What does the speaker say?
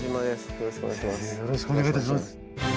よろしくお願いします。